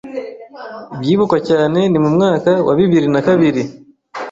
Ibyibukwa cyane ni mu mwaka wa bibiri na kabiri